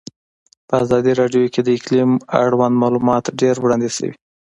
په ازادي راډیو کې د اقلیم اړوند معلومات ډېر وړاندې شوي.